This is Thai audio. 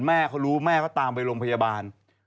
แม่เขารู้แม่ก็ตามไปโรงพยาบาล